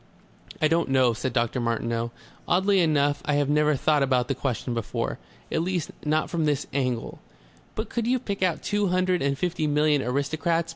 "I don't know," said Dr. Martineau. "Oddly enough, I have never thought about that question before. At least, not from this angle." "But could you pick out two hundred and fifty million aristocrats?"